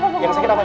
pakai pakai pakai